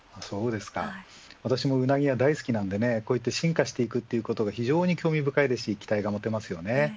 私もうなぎは大好きなので進化していくということが非常に興味深くて期待が持てます。